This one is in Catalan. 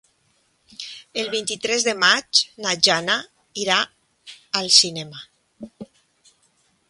El vint-i-tres de maig na Jana irà al cinema.